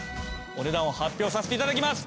お値段を発表させて頂きます！